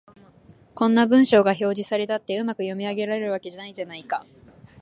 こんな文章が表示されたって、うまく読み上げられるわけがないじゃないか